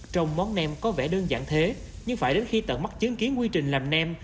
trong món nem có vẻ đơn giản thế nhưng phải đến khi tận mắt chứng kiến quy trình làm nem